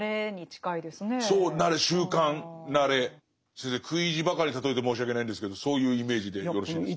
先生食い意地ばかり例えて申し訳ないんですけどそういうイメージでよろしいですか？